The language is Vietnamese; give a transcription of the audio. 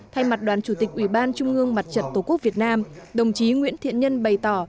thay mặt đoàn chủ tịch ủy ban trung ương mặt trận tổ quốc việt nam đồng chí nguyễn thiện nhân bày tỏ